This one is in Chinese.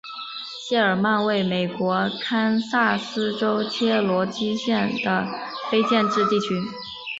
谢尔曼为美国堪萨斯州切罗基县的非建制地区。